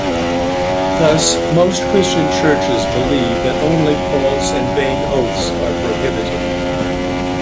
Thus most Christian churches believe that only false and vain oaths are prohibited.